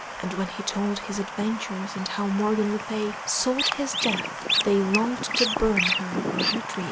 And when he told his adventures and how Morgan le Fay sought his death they longed to burn her for her treason.